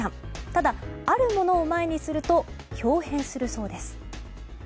ただ、あるものを前にすると豹変するそうです。